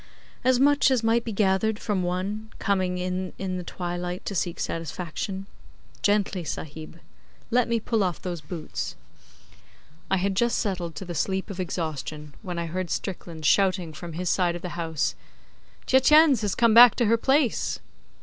'As much as might be gathered from One coming in in the twilight to seek satisfaction. Gently, Sahib. Let me pull off those boots.' I had just settled to the sleep of exhaustion when I heard Strickland shouting from his side of the house 'Tietjens has come back to her place!